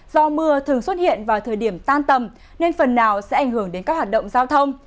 do mưa thường xuất hiện vào thời điểm tan tầm nên phần nào sẽ ảnh hưởng đến các hoạt động giao thông